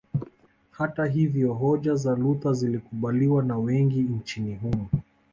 Hata hivyo hoja za Luther zilikubaliwa na wengi nchini humo